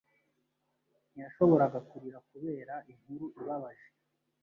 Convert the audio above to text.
Ntiyashoboraga kurira kubera inkuru ibabaje.